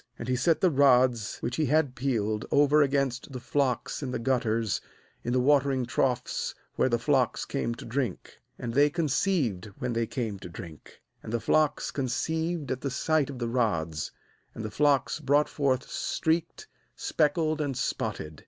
28And he set the rods which he had peeled over against the flocks in the gutters in the watering troughs where the flocks came to drink; and they conceived when they came to drink. 39And the flocks con ceived at the sight of the rods, and the flocks brought forth streaked, speckled, and spotted.